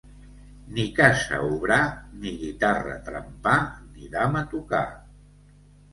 Ni casa obrar, ni guitarra trempar, ni dama tocar.